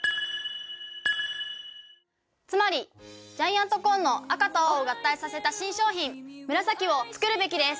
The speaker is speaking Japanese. つまりジャイアントコーンの赤と青を合体させた新商品紫を作るべきです